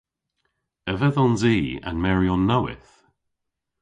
A vedhons i an meryon nowydh?